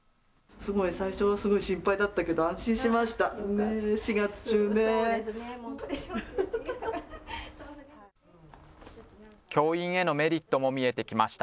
すごい最初は心配だったけど安心しました。